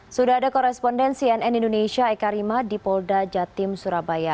sudah ada koresponden cnn indonesia eka rima di polda jatim surabaya